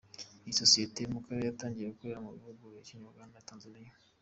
Iyi sosiyete mu karere yatangiye gukorera mu bihugu nka Kenya, Uganda na Tanzania.